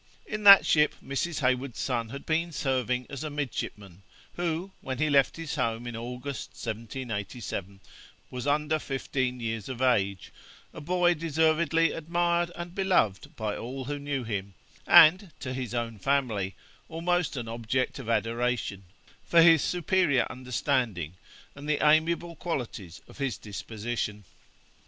In that ship Mrs. Heywood's son had been serving as midshipman, who, when he left his home, in August, 1787, was under fifteen years of age, a boy deservedly admired and beloved by all who knew him, and, to his own family, almost an object of adoration, for his superior understanding and the amiable qualities of his disposition.